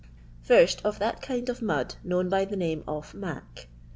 First of that kind of mud known by ihename of ♦'mac.